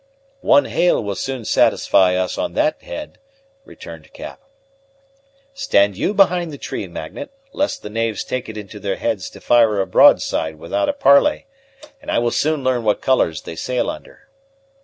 "One hail will soon satisfy us on that head," returned Cap. "Stand you behind the tree, Magnet, lest the knaves take it into their heads to fire a broadside without a parley, and I will soon learn what colors they sail under."